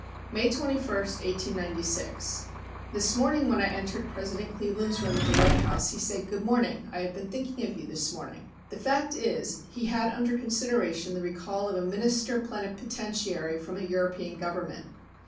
"May 21, 1896. This morning when I entered President Cleveland's room at the White House, he said: 'Good morning, I have been thinking of you this morning.' "The fact is he had under consideration the recall of a minister plenipotentiary from a European Government.